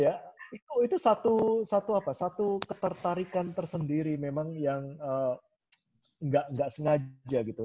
jadi apa ya itu satu ketertarikan tersendiri memang yang gak sengaja gitu